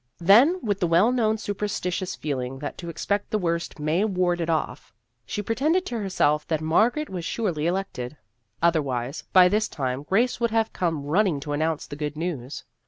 Then, with the well known superstitious feeling that to expect the worst may ward it off, she pretended to herself that Mar garet was surely elected ; otherwise, by this time, Grace would have come run ning to announce the good news.